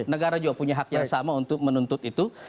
negara juga punya hak yang sama untuk menuntut itu